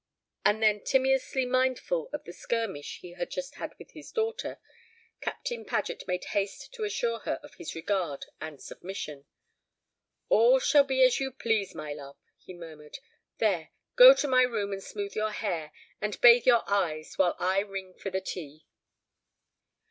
And then, timeously mindful of the skirmish he had just had with his daughter, Captain Paget made haste to assure her of his regard and submission. "All shall be as you please, my love," he murmured. "There, go into my room, and smooth your hair, and bathe your eyes, while I ring for the tea."